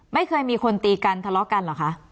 ไม่เคยมีคนตีกันทะเลาะกันเหรอคะ